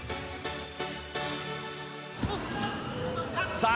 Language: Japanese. さあ、